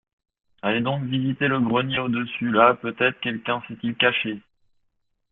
Allez donc visiter le grenier au-dessus, là peut-être quelqu’un s’est-il caché !